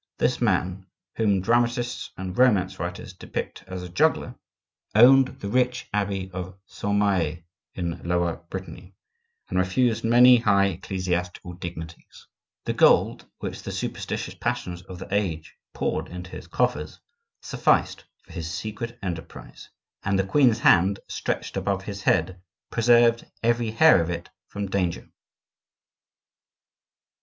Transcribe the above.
This man, whom dramatists and romance writers depict as a juggler, owned the rich abbey of Saint Mahe in Lower Brittany, and refused many high ecclesiastical dignities; the gold which the superstitious passions of the age poured into his coffers sufficed for his secret enterprise; and the queen's hand, stretched above his head, preserved every hair of it from danger.